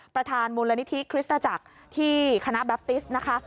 ประธานมูลนิธิคริสตจักรที่คณะแบปติสนะคะ